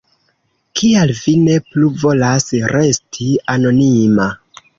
Kial vi ne plu volas resti anonima?